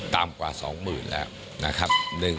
ต่ำกว่า๒๐๐๐แล้วนะครับ